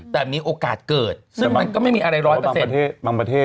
แต่มีโอกาสเกิดซึ่งมันก็ไม่มีอะไร๑๐๐ใช่ไหมอืมฮืมแต่คนว่าบางประเทศ